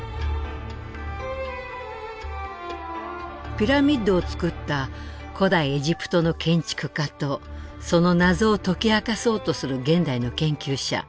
ピラミッドをつくった古代エジプトの建築家とその謎を解き明かそうとする現代の研究者。